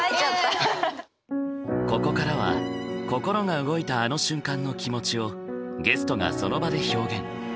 ここからは心が動いたあの瞬間の気持ちをゲストがその場で表現。